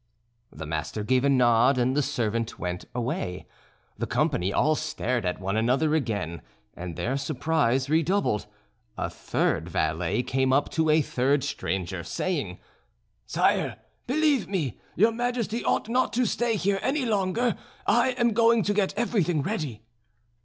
The master gave a nod and the servant went away. The company all stared at one another again, and their surprise redoubled. A third valet came up to a third stranger, saying: "Sire, believe me, your Majesty ought not to stay here any longer. I am going to get everything ready."